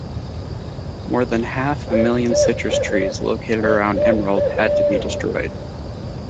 More than half a million citrus trees located around Emerald had to be destroyed.